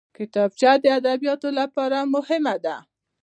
کتابچه د ادبیاتو لپاره مهمه ده